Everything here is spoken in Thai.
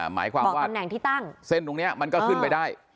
หมายความว่าเส้นตรงนี้มันก็ขึ้นไปได้